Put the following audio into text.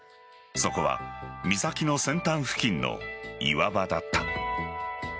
そこは岬の先端付近の岩場だった。